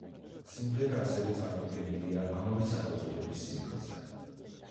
სიმღერა ასევე წარმოდგენილია ამავე სახელწოდების სინგლზე.